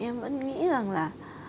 em vẫn nghĩ rằng là